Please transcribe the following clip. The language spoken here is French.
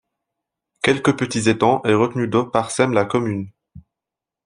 Quelques petits étangs et retenues d'eau parsèment la commune.